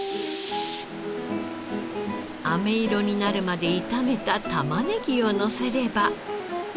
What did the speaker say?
あめ色になるまで炒めたタマネギをのせれば。